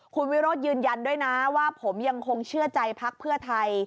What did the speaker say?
คุณวิโรธยืนยันด้วยนะว่าผมยังคงเชื่อใจพักเพื่อไทย